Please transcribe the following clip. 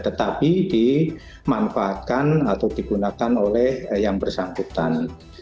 tetapi dimanfaatkan atau digunakan oleh yang bersangkutan